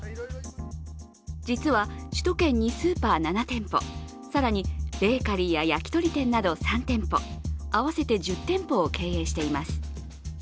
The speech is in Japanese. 実は、首都圏にスーパー７店舗更にベーカリーや焼き鳥店など３店舗、合わせて１０店舗を経営しています。